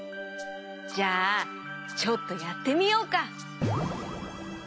じゃあちょっとやってみようか。